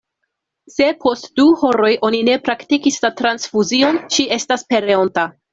Se post du horoj oni ne praktikis la transfuzion, ŝi estas pereonta.